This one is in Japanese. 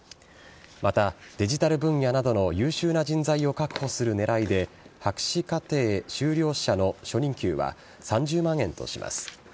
また、デジタル分野などの優秀な人材を確保する狙いで博士課程修了者の初任給は３０万円とします。